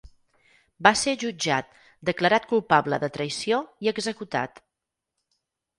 Va ser jutjat, declarat culpable de traïció i executat.